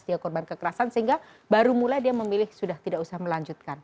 dia korban kekerasan sehingga baru mulai dia memilih sudah tidak usah melanjutkan